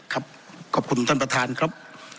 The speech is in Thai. ขอบคุณท่านประธานครับ